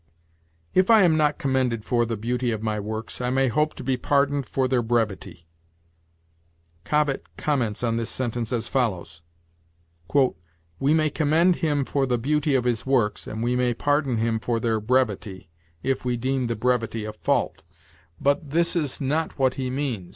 "If I am not commended for the beauty of my works, I may hope to be pardoned for their brevity." Cobbett comments on this sentence as follows: "We may commend him for the beauty of his works, and we may pardon him for their brevity, if we deem the brevity a fault; but this is not what he means.